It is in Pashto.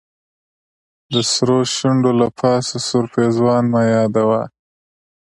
د سرو شونډو له پاسه سور پېزوان مه یادوه.